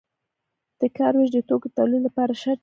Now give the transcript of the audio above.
د کار ویش د توکو د تولید لپاره شرط دی.